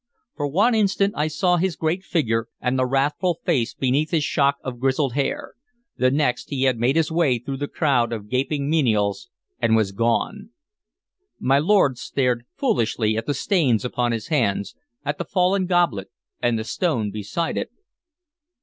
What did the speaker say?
For one instant I saw his great figure, and the wrathful face beneath his shock of grizzled hair; the next he had made his way through the crowd of gaping menials and was gone. My lord stared foolishly at the stains upon his hands, at the fallen goblet and the stone beside it.